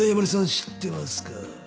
知ってますか？